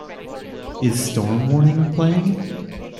Is Storm Warning playing